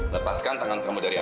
lepaskan tangan kamu dari atas